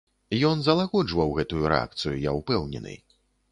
Ён залагоджваў гэтую рэакцыю, я ўпэўнены.